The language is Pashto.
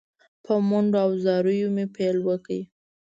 په منډو او زاریو مې پیل وکړ.